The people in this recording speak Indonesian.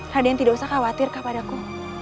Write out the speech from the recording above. raden tidak usah khawatir kepadaku